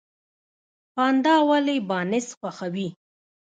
پاندا ولې بانس خوښوي؟